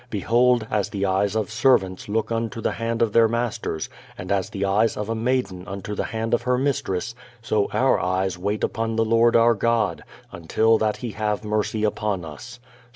Behold, as the eyes of servants look unto the hand of their masters, and as the eyes of a maiden unto the hand of her mistress; so our eyes wait upon the Lord our God, until that he have mercy upon us" (Psa.